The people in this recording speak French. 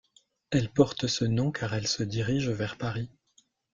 Elle porte ce nom car elle se dirige vers Paris.